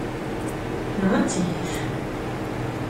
Nɣant-iyi-t.